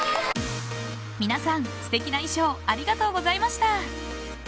皆さん、素敵な衣装ありがとうございました。